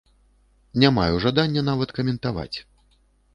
Не маю жадання нават каментаваць.